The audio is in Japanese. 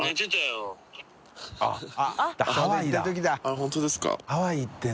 本当ですか？